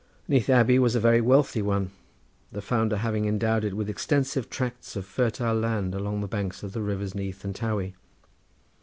Neath Abbey was a very wealthy one, the founder having endowed it with extensive tracts of fertile land along the banks of the rivers Neath and Tawy.